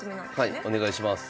はいお願いします。